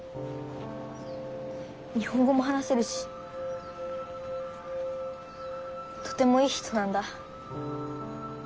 日本語も話せるしとてもいい人なんだ。